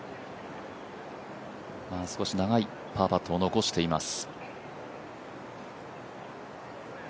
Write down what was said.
少し長いパーパットを残しています。